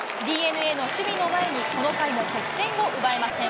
ＤｅＮＡの守備の前に、この回も得点を奪えません。